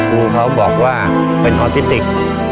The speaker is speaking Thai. ครูเขาบอกว่าเป็นออทิติก